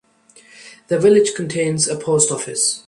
The village contains a post-office.